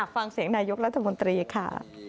ฟังเสียงนายกรัฐมนตรีค่ะ